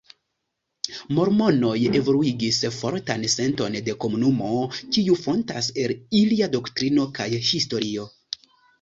Mormonoj evoluigis fortan senton de komunumo kiu fontas el ilia doktrino kaj historio.